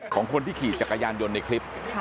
ของคนที่ขี่จักรยานยนต์ในคลิป